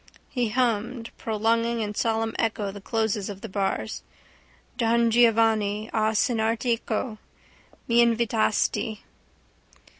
He hummed, prolonging in solemn echo the closes of the bars: Don Giovanni, a cenar teco M'invitasti.